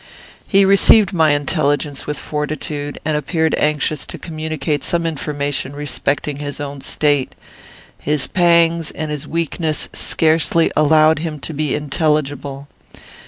He received my intelligence with fortitude, and appeared anxious to communicate some information respecting his own state. His pangs and his weakness scarcely allowed him to be intelligible.